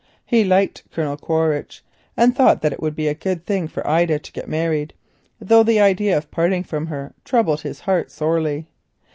He liked Colonel Quaritch, and thought that it would be a good thing for Ida to get married, though the idea of parting from her troubled his heart sorely.